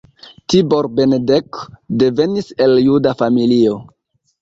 Tibor Benedek devenis el juda familio.